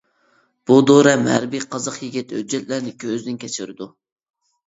بۇ دورەم ھەربىي قازاق يىگىت ھۆججەتلەرنى كۆزدىن كەچۈرىدۇ.